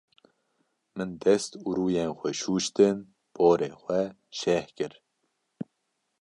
Min dest û rûyên xwe şûştin, porê xwe şeh kir.